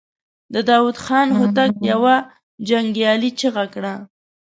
د داوود خان هوتک يوه جنګيالې چيغه کړه.